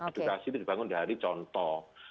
edukasi itu dibangun dari contoh